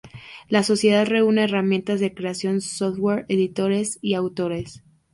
La sociedad reúne herramientas de creación, software, editores y autores.